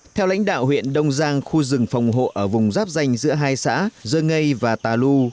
theo lãnh đạo huyện đông giang khu rừng phòng hộ ở vùng giáp danh giữa hai xã dơ ngây và tà lu